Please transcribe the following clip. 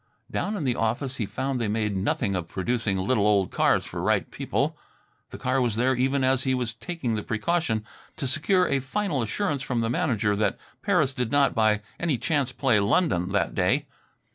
Down in the office he found they made nothing of producing little old cars for the right people. The car was there even as he was taking the precaution to secure a final assurance from the manager that Paris did not by any chance play London that day.